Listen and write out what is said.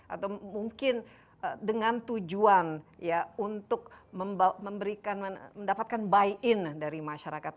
atau mungkin dengan tujuan untuk mendapatkan buy in dari masyarakat